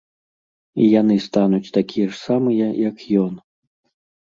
І яны стануць такія ж самыя, як ён.